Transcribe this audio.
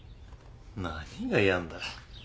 何が「やん」だ。